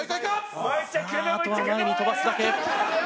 さああとは前に飛ばすだけ。